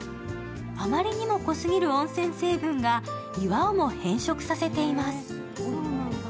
あまりにも濃すぎる温泉成分が岩をも変色させています。